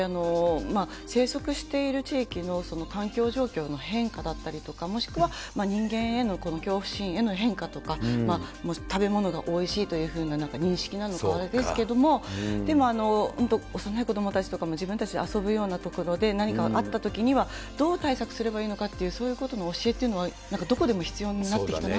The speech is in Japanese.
生息している地域の環境状況の変化だったりとか、もしくは人間への恐怖心への変化とか、食べ物がおいしいというふうな認識なのか、あれですけれども、でも、幼い子どもたちとかも自分たちで遊ぶような所で何かあったときには、どう対策すればいいのかということをそういうことの教えというのは、なんかどこでも必要になってきたなって。